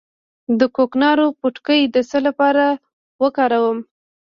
د کوکنارو پوټکی د څه لپاره وکاروم؟